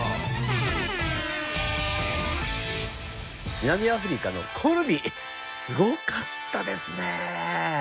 南アフリカのコルビすごかったですね。